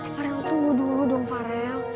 farel tunggu dulu dong farel